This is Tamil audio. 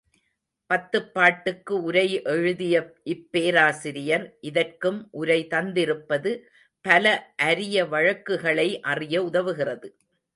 பத்துப்பாட்டுக்கு உரை எழுதிய இப்பேராசிரியர் இதற்கும் உரை தந்திருப்பது பல அரிய வழக்குகளை அறிய உதவுகிறது.